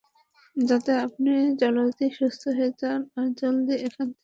যাতে আপনি জলদি সুস্থ হয়ে যান, আর জলদি এখান থেকে চলে যেতে পারেন।